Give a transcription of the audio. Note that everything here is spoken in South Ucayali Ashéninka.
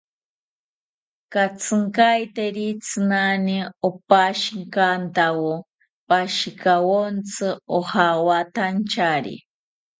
Katzinkaeteri tsinani opashikantawo pashikawontzi ojawatanchari